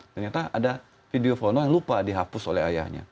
ternyata ada video foto yang lupa dihapus oleh ayahnya